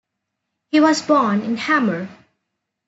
He was born in Hamar.